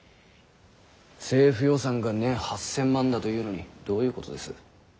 政府予算が年８，０００万だというのにどういうことです？